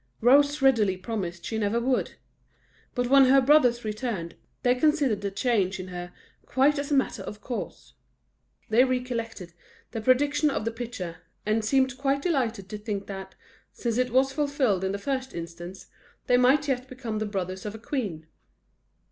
Rose readily promised she never would. But when her brothers returned, they considered the change in her quite as a matter of course. They recollected the prediction of the pitcher, and seemed quite delighted to think that, since it was fulfilled in the first instance, they might yet become the brothers of a queen.